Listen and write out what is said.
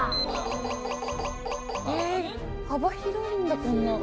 え幅広いんだこんな。